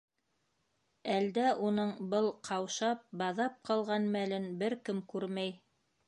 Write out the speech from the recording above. Әлдә уның был ҡаушап, баҙап ҡалған мәлен бер кем күрмәй.